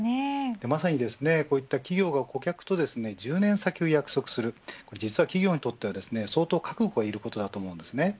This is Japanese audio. まさにこういった企業が顧客と１０年先を約束する実は企業にとっては相当覚悟がいることだと思います。